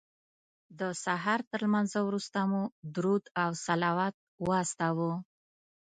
د سهار تر لمانځه وروسته مو درود او صلوات واستاوه.